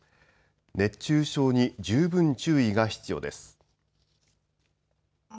熱中症に十分注意が必要です。